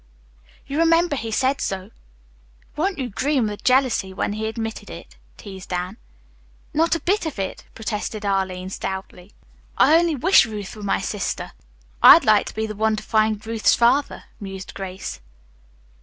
You remember he said so." "Weren't you green with jealousy when he admitted it?" teased Anne. "Not a bit of it," protested Arline stoutly. "I only wish Ruth were my sister." "I'd like to be the one to find Ruth's father," mused Grace.